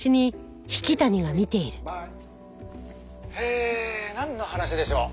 「えなんの話でしょう？」